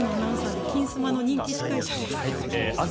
ＴＢＳのアナウンサーで「金スマ」の人気司会者。